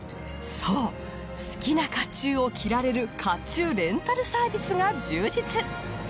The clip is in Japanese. そう好きな甲冑を着られる甲冑レンタルサービスが充実。